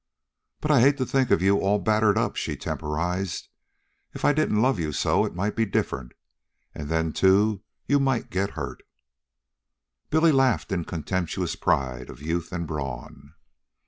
"But I hate to think of you all battered up," she temporized. "If I didn't love you so, it might be different. And then, too, you might get hurt." Billy laughed in contemptuous pride of youth and brawn.